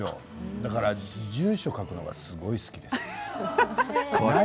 だから、住所を書くのがすごく好きです。